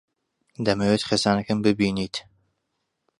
دەمەوێت خێزانەکەم ببینیت.